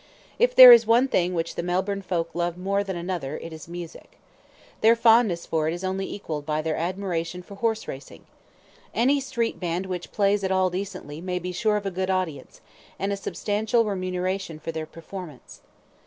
If there is one thing which the Melbourne folk love more than another, it is music. Their fondness for it is only equalled by their admiration for horse racing. Any street band which plays at all decently, may be sure of a good audience, and a substantial remuneration for their performance.